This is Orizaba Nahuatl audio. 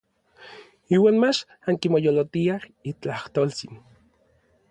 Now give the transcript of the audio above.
Iuan mach ankimoyolotiaj n itlajtoltsin.